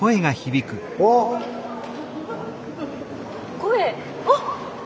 声あっ！